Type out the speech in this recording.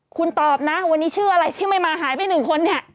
คุณตอบนะวันนี้ชื่ออะไรที่ไม่มาหายไปหนึ่งคนเนี่ย